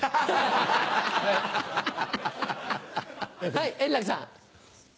はい円楽さん。